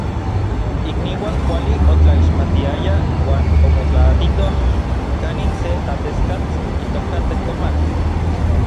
Ikniuan kuali otlaixmatiayaj uan omotlaatitoj kanin se ateskatl itoka Tekomatl.